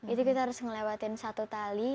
itu kita harus ngelewatin satu tali